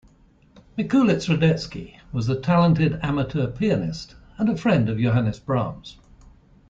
Mikulicz-Radecki was a talented amateur pianist and a friend of Johannes Brahms.